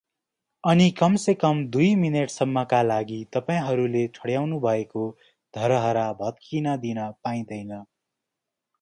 अनि कमसेकम दुई मिनेटसम्मका लागि तपाईंहरूले ठड्याउनुभएको धरहरा भत्किन दिन पाइँदैन ।